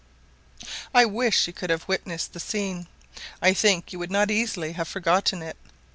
I wish you could have witnessed the scene; I think you would not easily have forgotten it.